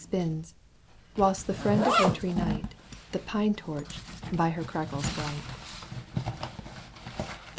Spins, whilst the friend of wintry night. The pine torch, by her сгасЫез bright XXXII.